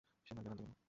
সে মানিব্যাগ আনতে গেল।